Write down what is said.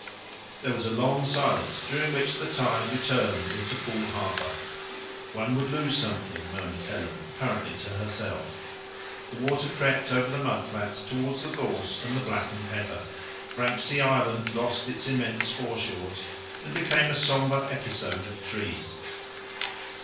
There was a long silence, during which the tide returned into Poole Harbour. "One would lose something," murmured Helen, apparently to herself. The water crept over the mud flats towards the gorse and the blackened heather. Branksea Island lost its immense foreshores, and became a sombre episode of trees.